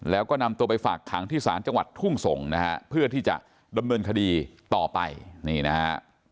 แล้วก็นำตัวไปฝากขังที่ศาลจังหวัดทุ่งส่งนะฮะเพื่อที่จะดำเนินคดีต่อไปนี่นะฮะ